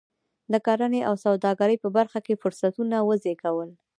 د کرنې او سوداګرۍ په برخه کې فرصتونه وزېږول.